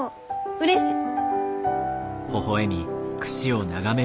うれしい。